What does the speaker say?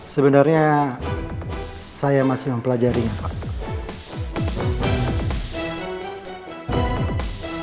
sebenarnya saya masih mempelajarinya pak